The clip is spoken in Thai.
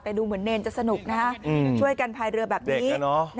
แต่ดูเหมือนเนรจะสนุกนะฮะช่วยกันพายเรือแบบนี้